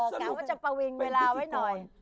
กะว่าจะประวิงเวลาไว้หน่อย